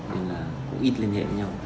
nên là cũng ít liên hệ với nhau